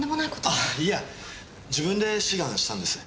あいや自分で志願したんです。